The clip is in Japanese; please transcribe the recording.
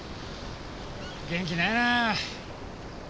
元気ないなあ。